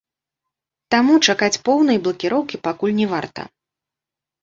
Таму чакаць поўнай блакіроўкі пакуль не варта.